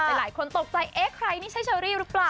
หลายคนตกใจเอ๊ะใครนี่ใช่เชอรี่หรือเปล่า